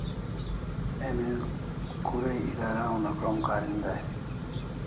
Emi kure idara una krom karin dai?